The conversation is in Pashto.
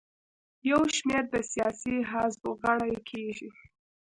یو شمېر د سیاسي حزب غړي کیږي.